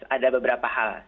ada beberapa hal